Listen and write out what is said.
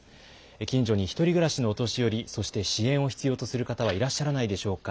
近所に１人暮らしのお年寄り、そして支援を必要とする方はいらっしゃらないでしょうか。